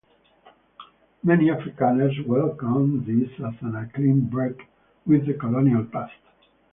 Many Afrikaners welcomed this as a clean break with the colonial past.